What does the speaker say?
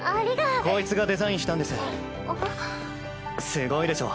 すごいでしょ。